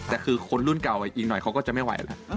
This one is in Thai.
แต่คือคนรุ่นเก่าอีกหน่อยเขาก็จะไม่ไหวแล้ว